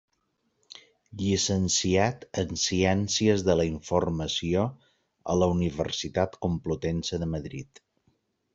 Llicenciat en Ciències de la Informació a la Universitat Complutense de Madrid.